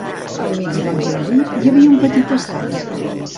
Al mig del jardí hi havia un petit estany.